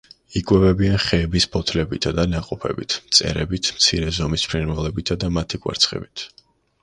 იკვებებიან ხეების ფოთლებითა და ნაყოფებით, მწერებით, მცირე ზომის ფრინველებითა და მათი კვერცხებით.